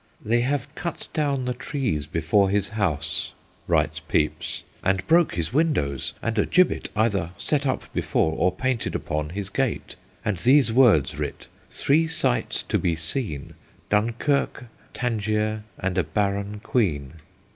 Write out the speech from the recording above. ' They have cut down the trees before his house/ writes Pepys, ' and broke his windows ; and a gibbet either set up before or painted upon his gate, and these words writ :" Three sights to be seen Dunkirke, Tangier, and a barren Queen."